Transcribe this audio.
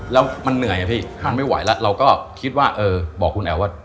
แล้วมันเหนื่อยอะพี่มันไม่ไหวแล้วเราก็คิดว่าเออบอกคุณแอ๋วว่า